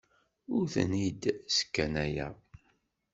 Ur ten-id-sskanayeɣ.